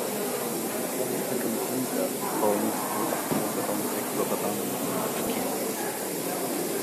To quiet the computer, owners put orthodontic rubber bands under the keys.